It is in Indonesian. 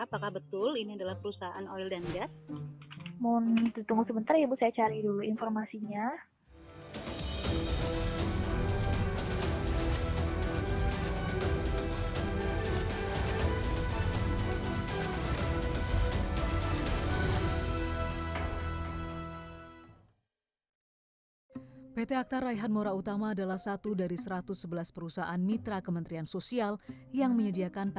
apakah betul ini adalah perusahaan oil dan gas